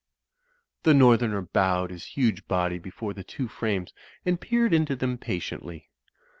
The northerner bowed his huge body before the two frames and peered into them patiently.